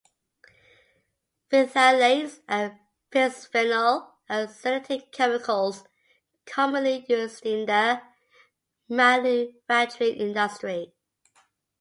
Phthalates and bisphenol are synthetic chemicals commonly used in the manufacturing industry.